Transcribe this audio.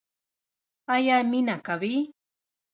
ایا مینه کوئ؟